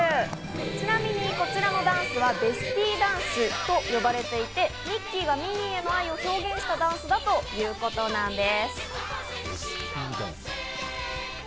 ちなみに、こちらのダンスはベスティーダンスと言われていて、ミッキーがミニーへの愛を表現したダンスだということなんです。